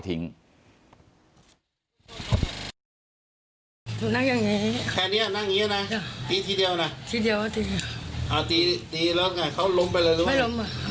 ตบหน้าหรือเปล่าทำท่าสิทำท่าสิโชคก็ไม่ใช่หรือ